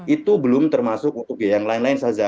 itu belum termasuk untuk yang lain lain saja